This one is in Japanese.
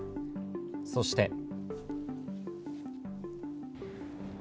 そして。